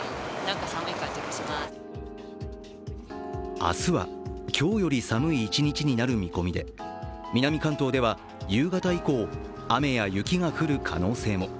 明日は今日より寒い一日になる見込みで、南関東では夕方以降、雨や雪が降る可能性も。